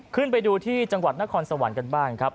ขึ้นไปดูที่จังหวัดนครสวรรค์กันบ้างครับ